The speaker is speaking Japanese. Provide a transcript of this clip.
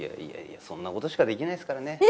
そんなことしかできないですからね